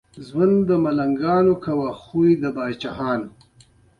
د کسب و کار پر مخ پراته خنډونه اوبه شول.